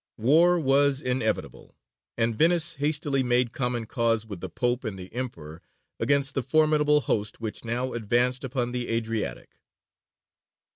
War was inevitable, and Venice hastily made common cause with the Pope and the Emperor against the formidable host which now advanced upon the Adriatic.